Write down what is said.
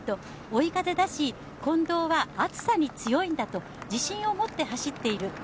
追い風だし近藤は暑さに強いんだと自信を持って走っている。